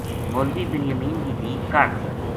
مولوی بنیامین کی دھی کاہڈ تھی